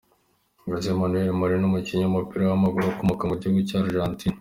José Manuel Moreno, umukinnyi w’umupira w’amaguru ukomoka mu gihugu cya Argentine.